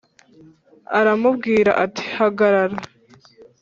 aramubwira ati hagarara